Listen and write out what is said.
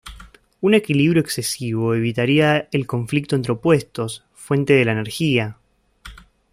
Un equilibrio excesivo evitaría el conflicto entre opuestos, fuente de la energía.